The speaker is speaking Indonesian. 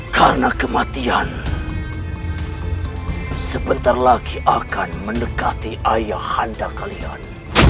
karena kematian sebentar lagi akan mendekati ayah anda kalian